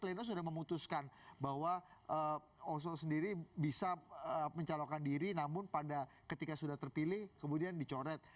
pleno sudah memutuskan bahwa oso sendiri bisa mencalonkan diri namun pada ketika sudah terpilih kemudian dicoret